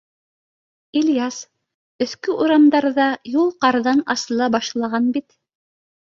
— Ильяс, өҫкө урамдарҙа юл ҡарҙан асыла башлаған бит.